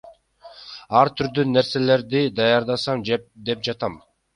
Ар түрдүү нерселерди даярдасам деп жатам.